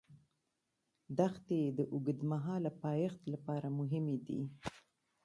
دښتې د اوږدمهاله پایښت لپاره مهمې دي.